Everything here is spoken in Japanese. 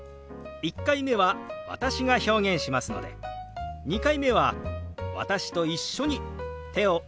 １回目は私が表現しますので２回目は私と一緒に手を動かしてみましょう。